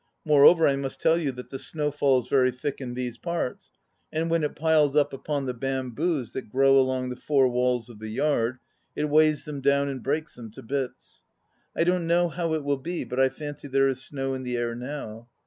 Moreover I must tell you that the snow falls very thick in these parts, and when it piles up upon the bamboos that grow along the four walla of the yard, it weighs them down and breaks them to bits. I don't know how it will be, but I fancy there is snow in the air now.